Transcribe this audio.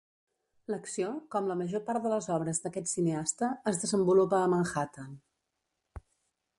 L'acció, com la major part de les obres d'aquest cineasta, es desenvolupa a Manhattan.